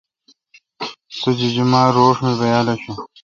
سو جیجما روݭ می بیال اشو۔